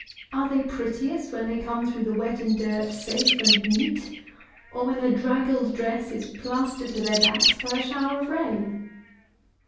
Are they prettiest when they come through the wet and dirt safe and neat; or when their draggled dress is plastered to their backs by a shower of rain?